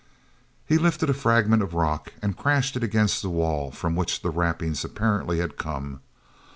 He lifted a fragment of rock and crashed it against the wall from which those rappings apparently had come.